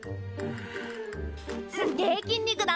すっげえ筋肉だな！